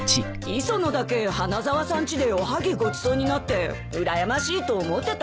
磯野だけ花沢さんちでおはぎごちそうになってうらやましいと思ってたんだ。